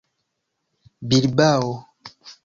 bilbao